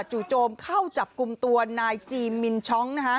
จู่โจมเข้าจับกลุ่มตัวนายจีมมินช็อก